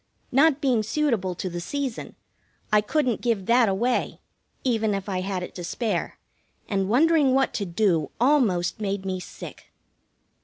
Not being suitable to the season, I couldn't give that away, even if I had it to spare, and wondering what to do almost made me sick.